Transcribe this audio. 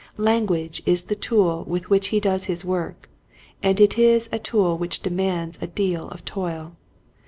Language is the tool' with which he does his work, and it is a tool which demands a deal of toil.